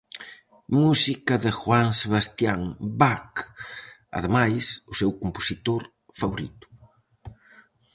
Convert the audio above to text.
Música de Juan Sebastian Bach, ademais, o seu compositor favorito.